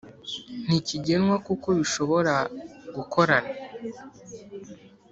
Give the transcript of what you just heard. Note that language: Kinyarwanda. Ntikigenwa kuko bishobora gukorana